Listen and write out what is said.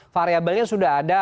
variabelnya sudah ada